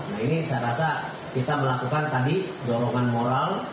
nah ini saya rasa kita melakukan tadi dorongan moral